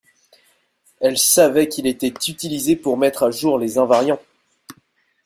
Elle savait qu’il était utilisé pour mettre à jour les invariants